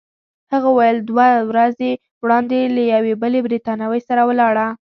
هغه وویل: دوه ورځې وړاندي له یوې بلې بریتانوۍ سره ولاړه.